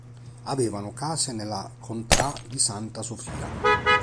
Avevano case nella contrà di Santa Sofia.